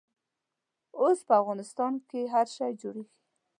اوس په افغانستان کښې هر شی جوړېږي.